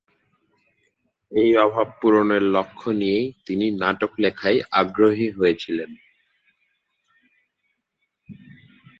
এই অভাব পূরণের লক্ষ্য নিয়েই তিনি নাটক লেখায় আগ্রহী হয়েছিলেন।